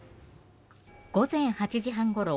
午前８時半ごろ